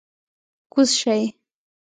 کوز شئ!